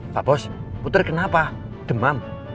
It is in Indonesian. pak bos puter kenapa demam